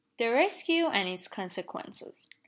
THE RESCUE AND ITS CONSEQUENCES.